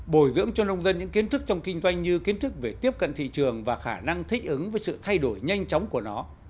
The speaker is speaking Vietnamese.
bồi dưỡng cho nông dân những kiến thức trong kinh doanh như kiến thức về tiếp cận thị trường và khả năng thích ứng với sự thay đổi nhanh chóng của nó